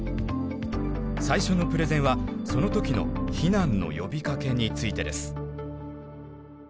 最初のプレゼンはその時の避難の呼びかけについてです。